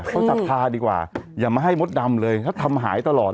เขาศรัทธาดีกว่าอย่ามาให้มดดำเลยเขาทำหายตลอด